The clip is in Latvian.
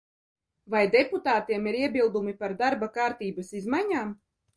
Vai deputātiem ir iebildumi par darba kārtības izmaiņām?